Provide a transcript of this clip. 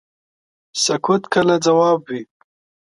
سکوت کله ځواب وي.